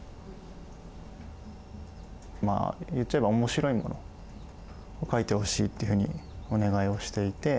まあ言っちゃえば面白いものを書いてほしいっていうふうにお願いをしていて。